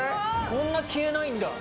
こんな消えないんだ。